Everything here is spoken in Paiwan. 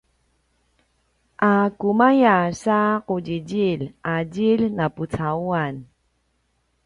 aqumaya sa qudjidjilj a djilj na pucauan?